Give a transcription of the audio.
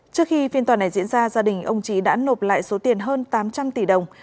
trước khi phiên tòa này diễn ra gia đình ông trí đã nộp lại số tiền hơn tám trăm linh tỷ đồng